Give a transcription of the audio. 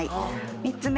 ３つ目。